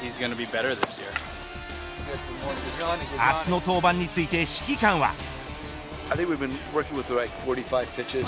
明日の登板について指揮官は。